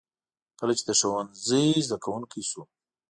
کله چې د ښوونځي زده کوونکی شو.